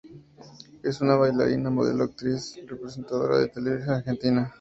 Es una bailarina, modelo, actriz y presentadora de televisión argentina.